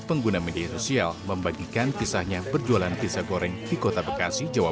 pengguna media sosial membagikan kisahnya berjualan pizza goreng di kota bekasi jawa